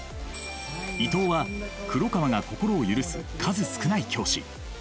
伊藤は黒川が心を許す数少ない教師。